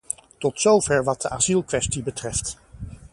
Tot zover wat de asielkwestie betreft.